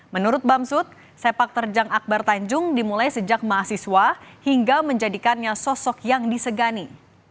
menurut bamsud sepak terjang akbar tanjung dimulai sejak mahasiswa hingga menjadikannya sosok yang disegani